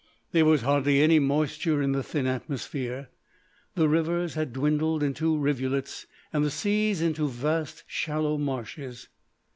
There was hardly any moisture in the thin atmosphere. The rivers had dwindled into rivulets and the seas into vast, shallow marshes.